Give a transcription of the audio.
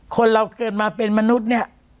คนเราเกิดมาเป็นมนุษย์เนี่ย